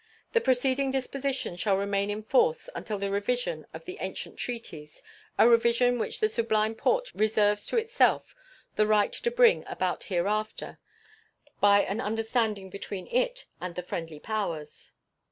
The preceding dispositions shall remain in force until the revision of the ancient treaties, a revision which the Sublime Porte reserves to itself the right to bring about hereafter by an understanding between it and the friendly powers.